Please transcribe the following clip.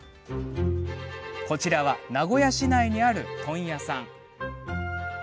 こちらは名古屋市内にある問屋さん。